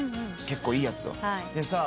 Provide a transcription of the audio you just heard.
結構いいやつを。